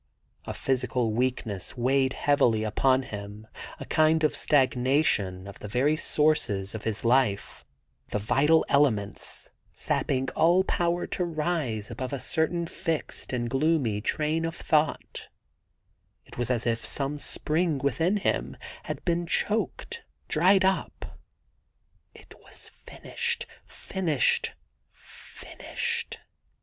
A physical weak ness weighed heavily upon him, a kind of stagnation of the very sources of his life, the vital elements, sapping all power to rise above a certain fixed and gloomy train of thought; — it was as if some spring within him had been choked, dried up. ... It was finished! — finished! — finished!